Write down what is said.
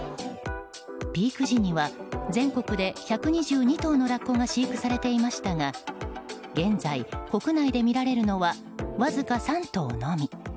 ピーク時には全国で１２２頭のラッコが飼育されていましたが現在、国内で見られるのはわずか３頭のみ。